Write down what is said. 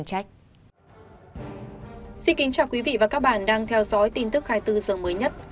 các bạn đang theo dõi tin tức khai tư sớm mới nhất